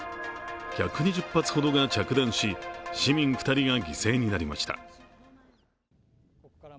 １２０発ほどが着弾し、市民２人が犠牲になりました。